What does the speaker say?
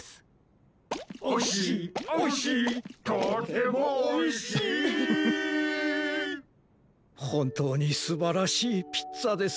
「おいしいおいしいとてもおいしい」ほんとうにすばらしいピッツァですねえ。